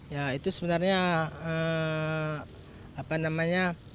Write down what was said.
ya itu sebenarnya apa namanya